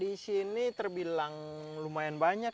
di sini terbilang lumayan banyak